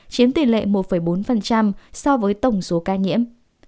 chiếm tỷ lệ một bốn so với tổng số ca nhiễm